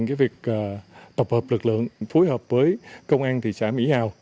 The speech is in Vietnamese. công an xã hè quế đã thực hiện việc tập hợp lực lượng phối hợp với công an thị xã mỹ hào